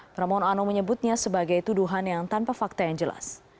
pramono anung menyebutnya sebagai tuduhan yang tanpa fakta yang jelas